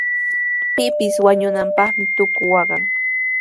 Pipis wañunanpaqmi tuku waqan.